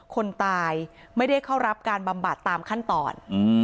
คนตายไม่ได้เข้ารับการบำบัดตามขั้นตอน